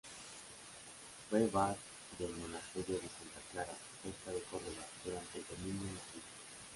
Fue abad del Monasterio de Santa Clara, cerca de Córdoba, durante el dominio musulmán.